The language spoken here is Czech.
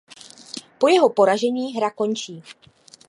Po jeho poražení hra končí.